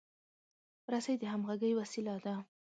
رسۍ د همغږۍ وسیله ده.